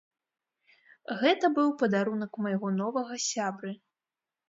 Гэта быў падарунак майго новага сябры.